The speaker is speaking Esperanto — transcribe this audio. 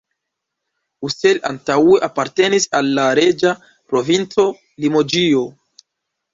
Ussel antaŭe apartenis al la reĝa provinco Limoĝio.